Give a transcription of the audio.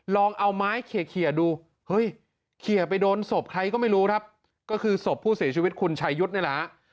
ลองเอาไม้เขียดูเฮ้ยเขียไปโดนศพใครก็ไม่รู้ครับก็คือศพผู้เสียชีวิตคุณชายุทธ์นี่แหละฮะ